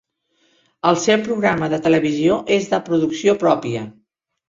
El seu programa de televisió és de producció pròpia.